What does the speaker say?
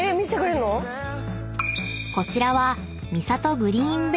［こちらは］